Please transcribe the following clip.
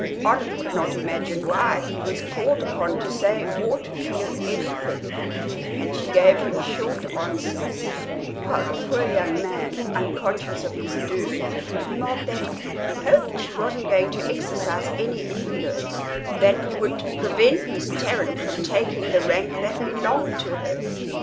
Olive could not imagine why he was called upon to say or to feel anything, and she gave him short answers; while the poor young man, unconscious of his doom, remarked that he hoped she wasn't going to exercise any influence that would prevent Miss Tarrant from taking the rank that belonged to her.